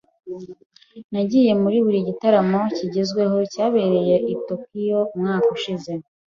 Nagiye muri buri gitaramo kigezweho cyabereye i Tokiyo umwaka ushize.